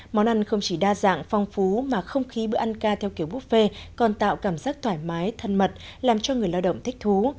món ăn không chỉ đa dạng phong phú mà không khí bữa ăn ca theo kiểu buffet còn tạo cảm giác thoải mái thân mật làm cho người lao động thích thú